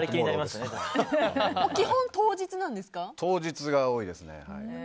当日が多いですね。